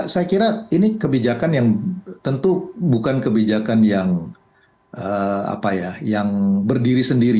saya kira ini kebijakan yang tentu bukan kebijakan yang berdiri sendiri